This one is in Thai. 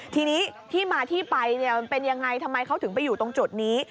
ทีนี้ที่มาที่ไปมันเป็นยังไงทำไมเขาถึงไปอยู่ตรงจุดนี้